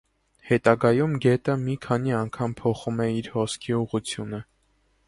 Հետագայում գետը մի քանի անգամ փոխում է իր հոսքի ուղղությունը։